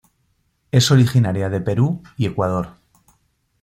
Es originaria de Perú y Ecuador.